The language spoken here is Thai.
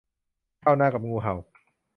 ชาวนากับงูเห่า